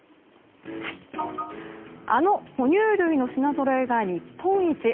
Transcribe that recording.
あの哺乳類の品ぞろえが日本一。